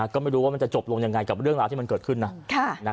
ก็ไม่รู้ว่ามันจะจบลงยังไงกับเรื่องราวที่มันเกิดขึ้นนะ